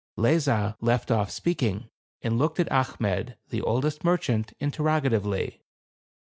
Lezah left off speaking, and looked at Achmet, the oldest merchant, interrogatively.